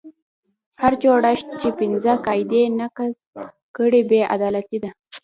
هر جوړښت چې پنځه قاعدې نقض کړي بې عدالتي ده.